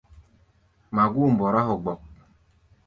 Magú̧u̧ mbɔrá hogbok.